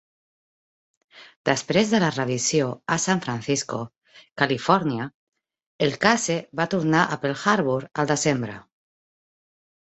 Després de la revisió a San Francisco, Califòrnia, el "Case" va tornar a Pearl Harbor al desembre.